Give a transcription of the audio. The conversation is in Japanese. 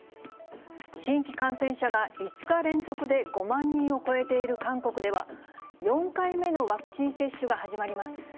新規感染者が５日連続で５万人を超えている韓国では、４回目のワクチン接種が始まります。